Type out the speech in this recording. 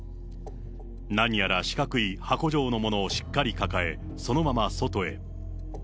何やら四角い箱状の物をしっかり抱え、そのまま外へ。